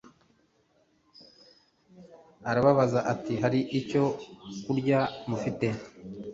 arababaza ati : hari icyo kurya mufite?